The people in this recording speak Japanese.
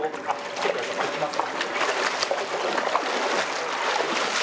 できます？